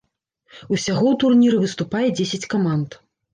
Усяго ў турніры выступае дзесяць каманд.